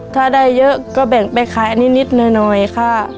ถ้าได้เยอะก็แบ่งไปขายอันนี้นิดหน่อยค่ะ